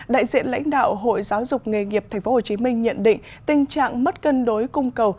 đại diện lãnh đạo hội giáo dục nghề nghiệp tp hcm nhận định tình trạng mất cân đối cung cầu